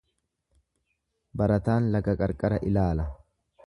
Barataan laga qarqara ilaala.